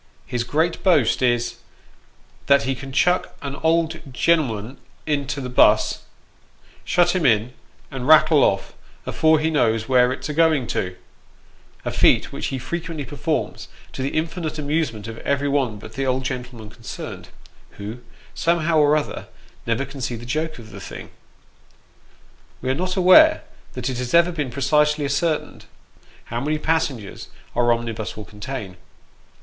His great boast is, " that he can chuck an old gen'lm'n into the buss, shut him in, and rattle off, afore he knows where it's a going to " a feat which he frequently performs, to the infinite amusement of every one but the old gentleman concerned, who, somehow or other, never can see the joke of the thing. We are not aware that it has ever been precisely ascertained, how many passengers our omnibus will contain.